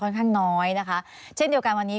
ข้างน้อยนะคะเช่นเดียวกันวันนี้